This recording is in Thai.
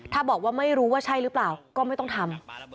ถ้าบอกว่าไม่รู้ว่าใช่หรือเปล่าก็ไม่ต้องทำ